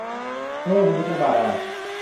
ทั้งโลกมนุษย์และบาดาล